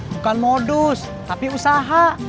bukan modus tapi usaha